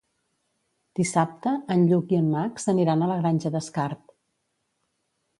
Dissabte en Lluc i en Max aniran a la Granja d'Escarp.